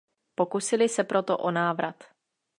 Pokusili se proto o návrat.